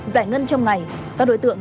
giải ngân trong ngày các đối tượng